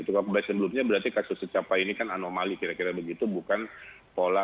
kalau kembali ke sebelumnya berarti kasus secapa ini kan anomali kira kira begitu bukan pola